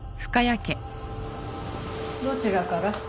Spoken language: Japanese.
どちらから？